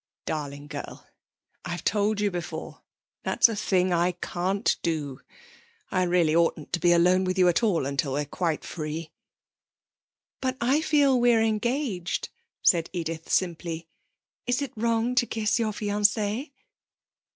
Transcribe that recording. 'Darling girl, I've told you before that's a thing I can't do. I really oughtn't to be alone with you at all until we're quite free....' 'But I feel we're engaged,' said Edith simply. 'Is it wrong to kiss your fiancée?'